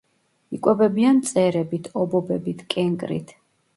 იკვებებიან მწერებით, ობობებით, კენკრით.